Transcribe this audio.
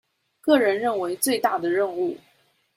個人認為最大的任務